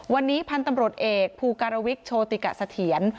วันนี้พันธุ์ตำรวจเอกภูการวิกโชติกะเสถียร